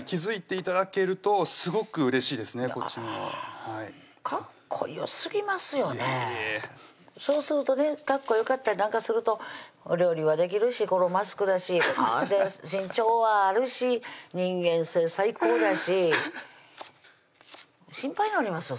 いえいえそうするとねかっこよかったりなんかするとお料理はできるしこのマスクだし身長はあるし人間性最高だし心配なりますよ